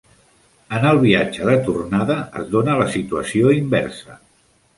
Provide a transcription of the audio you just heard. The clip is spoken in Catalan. En el viatge de tornada, es dóna la situació inversa.